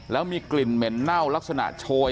แล้วมีกลิ่นเหม็นเน่าลักษณะโชย